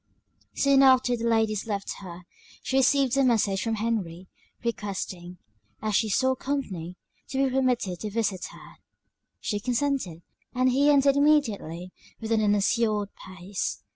Soon after the ladies left her, she received a message from Henry, requesting, as she saw company, to be permitted to visit her: she consented, and he entered immediately, with an unassured pace.